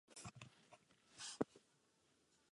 Duchovní stav neexistoval již od doby husitské revoluce.